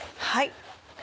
はい。